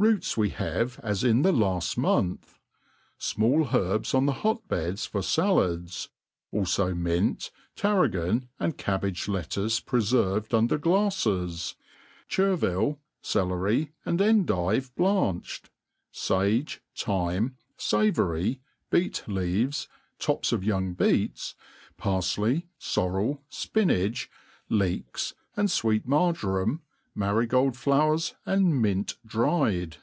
Roots we have as in the laft month. Small herbs on the hot beds for fallads ; alfo mint, terragon, and cabbage lettuce preferved under glaflfes ; chervile, celery, and endive blanched. Sage, thyme, favoury, bdet leaves, tops of young beets, parfley, forrel, fpmach, leeks, and fweet marjoram, marigold flower^, and mint dried.